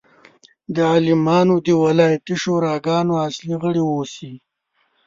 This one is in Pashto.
د عالمانو د ولایتي شوراګانو اصلي غړي اوسي.